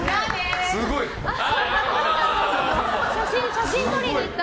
写真撮りに行った。